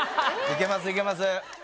いけますいけます